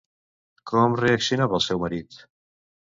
Com reaccionava el seu marit?